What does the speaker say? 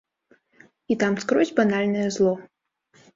І там скрозь банальнае зло.